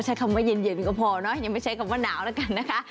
ใช้คำว่าเย็นก็พอเนอะยังไม่ใช้คำว่าหนาวแล้วกันนะคะ